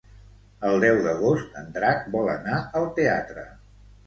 El deu d'agost en Drac vol anar al teatre.